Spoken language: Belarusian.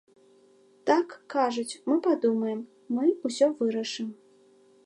Так, кажуць, мы падумаем, мы ўсё вырашым.